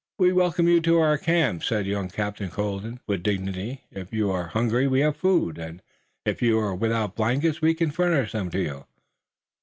"We welcome you to our camp," said young Captain Colden, with dignity. "If you are hungry we have food, and if you are without blankets we can furnish them to you."